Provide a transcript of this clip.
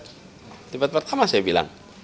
debat pertama saya bilang